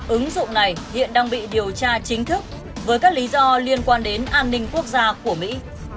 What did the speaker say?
ứng dụng này hiện đang bị điều tra chính thức với các lý do liên quan đến an ninh quốc gia của mỹ